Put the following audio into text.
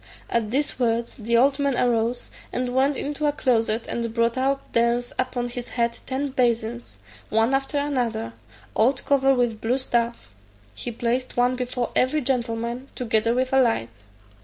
At these words the old man arose, and went into a closet, and brought out thence upon his head ten basins, one after another, all covered with blue stuff; he placed one before every gentleman, together with a light.